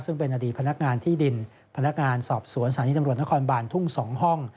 ซึ่งเป็นอดีตพนักงานที่ดินพนักงานสอบสวนสถานีตำรวจนครบานทุ่ง๒ห้อง